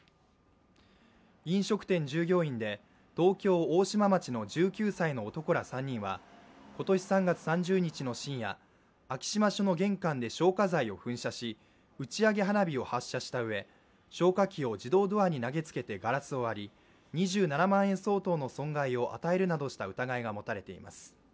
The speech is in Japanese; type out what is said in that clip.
飲食店従業員で東京・大島町の１９歳の男ら３人は、今年３月３０日の深夜、昭島署の玄関で消火剤を噴射し打ち上げ花火を発射したうえ、消火器を自動ドアに投げつけてガラスを割り、２７万円相当の損害を与えるなどした疑いが持たれています。